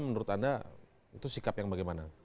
menurut anda itu sikap yang bagaimana